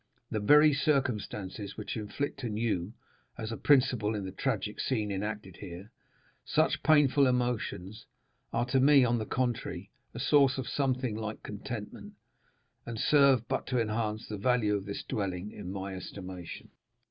The very circumstances which inflict on you, as a principal in the tragic scene enacted here, such painful emotions, are to me, on the contrary, a source of something like contentment, and serve but to enhance the value of this dwelling in my estimation.